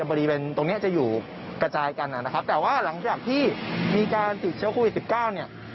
บริเวณตรงเนี้ยจะอยู่กระจายกันนะครับแต่ว่าหลังจากที่มีการติดเชื้อโควิดสิบเก้าเนี่ย